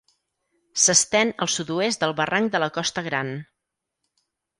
S'estén al sud-oest del barranc de la Costa Gran.